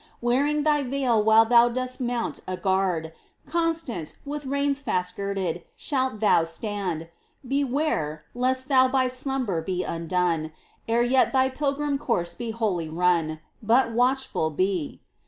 Wearing thy veil while thou dost mount on guard : Constant, with reins fast girded, shalt thou stand ! Beware lest thou by slumber be undone Ere yet thy pilgrim course be wholly run — But watchful be